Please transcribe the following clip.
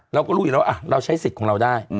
เราก็รู้อยู่แล้วเราใช้สิทธิ์ของเราได้